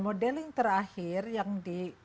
modeling terakhir yang di